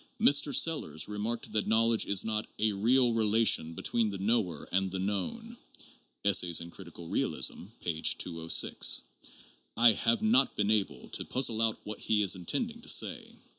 Mr. Sellars remarked that knowledge is not '' a real relation between the Tcnower and the known." (Essays in Critical Bealism, p. 206.) I have not been able to puzzle out what he is intending to say.